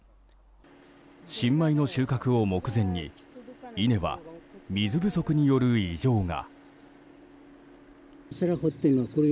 新米の収穫を目前に稲は、水不足による異常が。